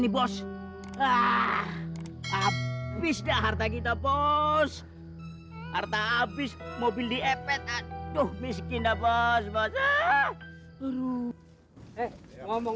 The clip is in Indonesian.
nih bos ah habis dah harta kita bos harta habis mau beli epet aduh miskin dah bos bos eh eh ngomong